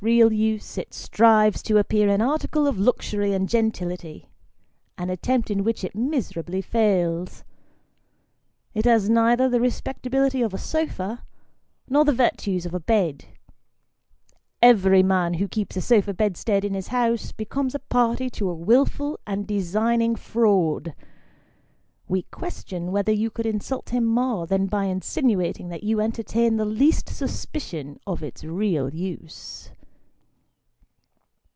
real use, it strives to appear an article of luxury and gentility an attempt in which it miserably fails. It has neither the respectability of a sofa, nor the virtues of a bed ; every man who keeps a sofa bed stead in his house, becomes a party to a wilful and designing fraud we question whether you could insult him more, than by insinuating that you entertain the least suspicion of its real use.